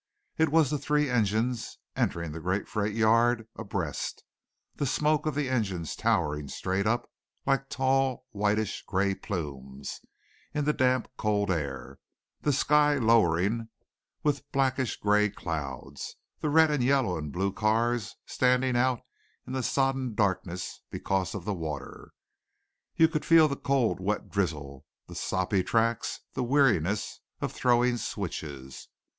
It was the three engines entering the great freight yard abreast, the smoke of the engines towering straight up like tall whitish grey plumes, in the damp, cold air, the sky lowering with blackish grey clouds, the red and yellow and blue cars standing out in the sodden darkness because of the water. You could feel the cold, wet drizzle, the soppy tracks, the weariness of "throwing switches."